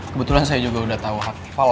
kebetulan saya juga udah tau hafal